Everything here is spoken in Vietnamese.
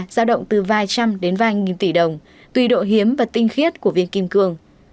giao động từ vài trăm đến vài nghìn tỷ đồng tùy độ hiếm và tinh khiết của viên kim cương